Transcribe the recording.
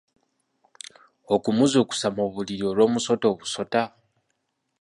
Okumuzuukusa mu buliri olw’omusota obusota.